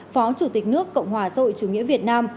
phó chủ tịch nước cộng hòa xã hội chủ nghĩa việt nam